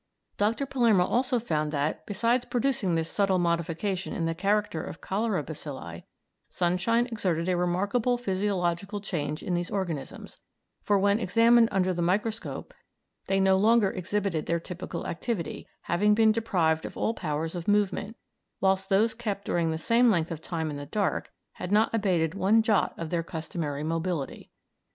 Dr. Palermo also found that, besides producing this subtle modification in the character of cholera bacilli, sunshine exerted a remarkable physiological change in these organisms, for when examined under the microscope they no longer exhibited their typical activity, having been deprived of all powers of movement, whilst those kept during the same length of time in the dark had not abated one jot of their customary mobility.